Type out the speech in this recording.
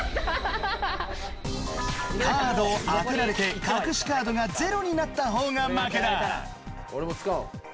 カードを当てられて隠しカードが０になったほうが負けだ俺も使おう。